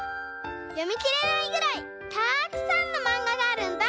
よみきれないぐらいたくさんのまんががあるんだ」。